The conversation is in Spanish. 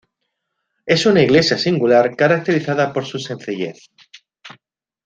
Es una iglesia singular caracterizada por su sencillez.